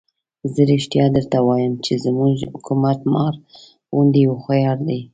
زه رښتیا درته وایم چې زموږ حکومت مار غوندې هوښیار دی.